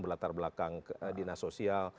berlatar belakang dinas sosial